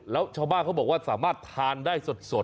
แล้วชาวบ้านเขาบอกว่าสามารถทานได้สด